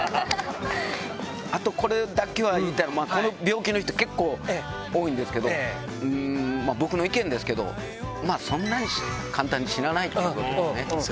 あとこれだけは言いたいのが、この病気の人、結構多いんですけど、僕の意見ですけど、そんなに簡単に死なないということですね。